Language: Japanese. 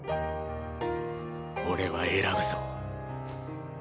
俺は選ぶぞ。